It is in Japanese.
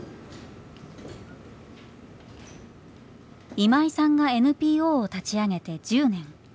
今井さんがＮＰＯを立ち上げて１０年。